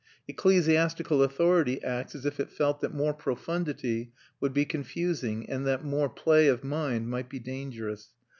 Ecclesiastical authority acts as if it felt that more profundity would be confusing and that more play of mind might be dangerous.